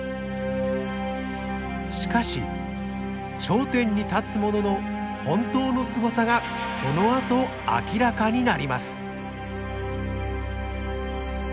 しかし頂点に立つ者の本当のすごさがこのあと明らかになります。